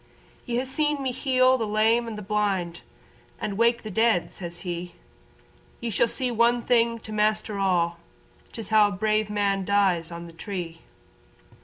"Ye ha' seen me heal the lame and blind, And wake the dead," says he, "Ye shall see one thing to master all: 'Tis how a brave man dies on the tree."